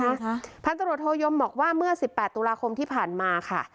ค่ะพันตรวจโทยมบอกว่าเมื่อสิบแปดตุลาคมที่ผ่านมาค่ะ